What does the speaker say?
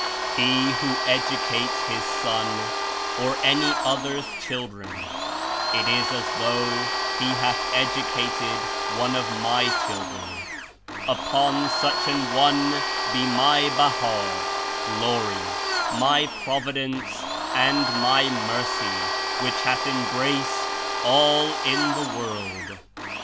"He who educates his son, or any other's children, it is as though he hath educated one of My children. Upon such an one be My Baha (Glory), My Prov idence and My Mercy, which hath embraced all in the world!"